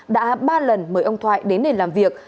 đã ba lần mời ông thoại đến để làm việc